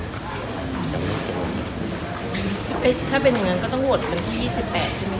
ถ้าเป็นอย่างนั้นก็ต้องโหวตวันที่๒๘ใช่ไหม